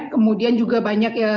kemudian juga banyak ya